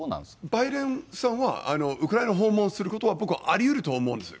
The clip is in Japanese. バイデンさんは、ウクライナ訪問することは、僕、ありうると思うんです。